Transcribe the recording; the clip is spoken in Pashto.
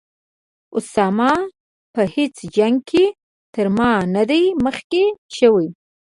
اسامه په هیڅ جنګ کې تر ما نه دی مخکې شوی.